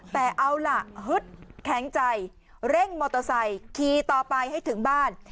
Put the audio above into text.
แต่เอาล่ะฮึดแข็งใจเร่งมอเตอร์ไซค์ขี่ต่อไปให้ถึงบ้าน